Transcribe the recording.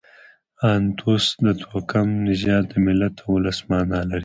انتوس د توکم، نژاد، د ملت او اولس مانا لري.